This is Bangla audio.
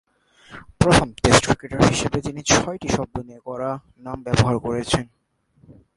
প্রথম টেস্ট ক্রিকেটার হিসেবে তিনি ছয়টি শব্দ নিয়ে গড়া নাম ব্যবহার করেছেন।